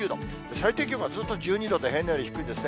最低気温がずっと１２度と、平年より低いですね。